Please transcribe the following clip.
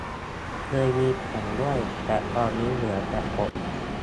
เคยมีแผ่นด้วย แต่ตอนนี้เหลือแต่ปก